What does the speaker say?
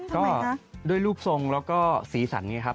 ก็ด้วยรูปทรงแล้วก็สีสันไงครับ